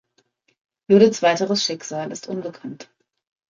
Judiths weiteres Schicksal ist unbekannt.